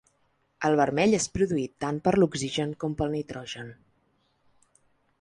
El vermell és produït tant per l’oxigen, com pel nitrogen.